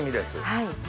はい。